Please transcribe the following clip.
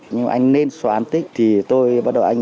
nhưng anh nên xóa án tích thì tôi bắt đầu án tích